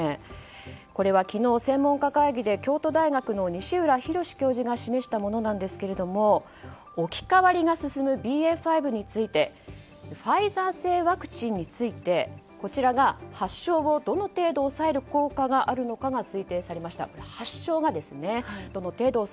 これは昨日、専門家会議で京都大学の西浦博教授が示したものですけども置き換わりが進むＢＡ．５についてファイザー製ワクチンについてこちらが発症をどの程度抑える効果があるかが推定されました。